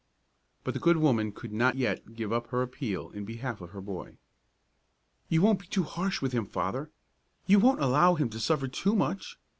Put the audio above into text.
But the good woman could not yet give up her appeal in behalf of her boy. "You won't be too harsh with him, Father? You won't allow him to suffer too much?